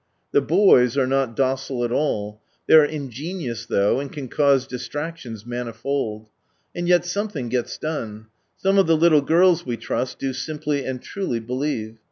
The boys are not docile at all. They are ingenious, though, and can cause distractions manifold, And yet something gets done. Some of the little girls, we trust, do simply and truly believe.